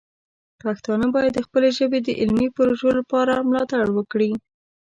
پښتانه باید د خپلې ژبې د علمي پروژو لپاره مالتړ وکړي.